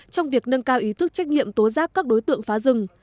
trong việc nâng cao ý thức trách nhiệm tố giáp các đối tượng phá rừng